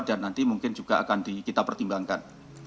dan nanti mungkin juga akan kita pertimbangkan